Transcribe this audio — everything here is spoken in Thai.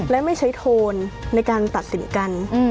และไม่ใช้โทนในการตัดสินกัน